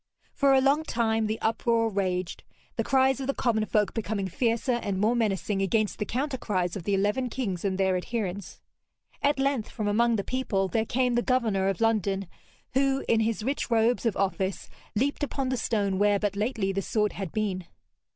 For a long time the uproar raged, the cries of the common folk becoming fiercer and more menacing against the counter cries of the eleven kings and their adherents. At length from among the people there came the governor of London, who, in his rich robes of office, leaped upon the stone where but lately the sword had been.